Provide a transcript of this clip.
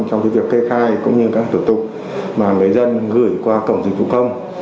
trong việc kê khai cũng như các thủ tục mà người dân gửi qua cổng dịch vụ công